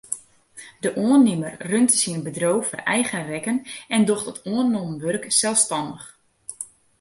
De oannimmer runt syn bedriuw foar eigen rekken en docht it oannommen wurk selsstannich.